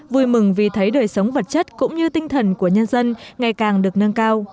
vui mừng vì thấy đời sống vật chất cũng như tinh thần của nhân dân ngày càng được nâng cao